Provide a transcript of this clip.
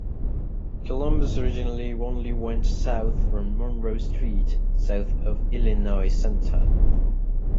Columbus originally only went south from Monroe Street, south of Illinois Center.